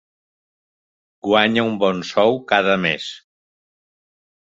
Guanya un bon sou cada mes.